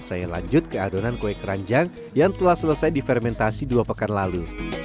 saya lanjut ke adonan kue keranjang yang telah selesai difermentasi dua pekan lalu